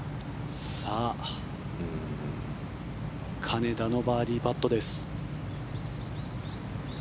金田のバーディーパットです。